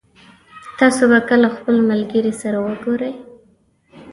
تاسو به کله خپل ملګري سره وګورئ